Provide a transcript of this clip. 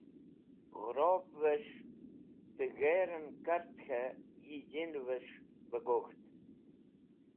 Gẽrobvẽs̃h dẽ g̃herẽn kart k̃hẽ yijinẽs̃h bẽ gok̃ht.